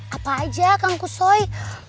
apa aja kang kusoy